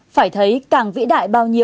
phải thấy càng vĩ đại